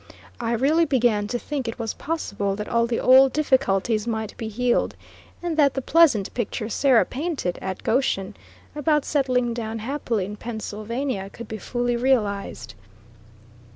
I really began to think it was possible that all the old difficulties might be healed, and that the pleasant picture Sarah painted, at Goshen, about settling down happily in Pennsylvania, could be fully realized.